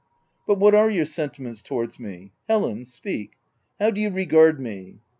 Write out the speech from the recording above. " But what are your sentiments towards me ?— Helen — Speak !— How do you regard me ?"